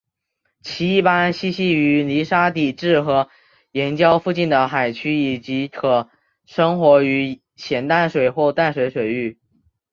其一般栖息于泥沙底质和岩礁附近的海区以及也可生活于咸淡水或淡水水域。